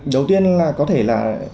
đầu tiên là có thể là